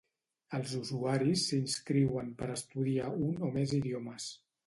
Els usuaris s’inscriuen per estudiar un o més idiomes.